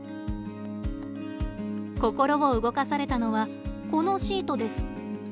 心を動かされたのはこのシートです。